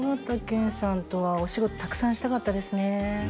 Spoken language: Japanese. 緒形拳さんとはお仕事たくさんしたかったですね